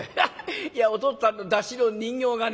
「いやお父っつぁんの山車の人形がね